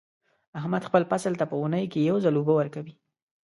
احمد خپل فصل ته په اونۍ کې یو ځل اوبه ورکوي.